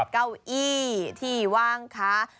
เก้าอี้ที่ว่างค้า